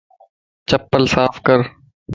چپل صاف ڪر